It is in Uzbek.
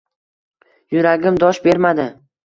Yuragim dosh bermadi